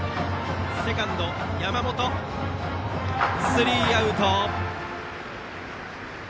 スリーアウト。